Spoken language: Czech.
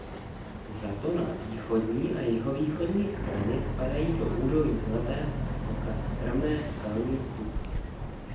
Zato na východní a jihovýchodní straně spadají do údolí Zlatého potoka strmé skalní stupně.